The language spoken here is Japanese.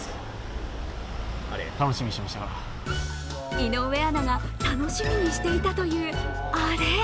井上アナが楽しみにしていたという、あれ。